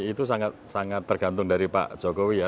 itu sangat sangat tergantung dari pak jokowi ya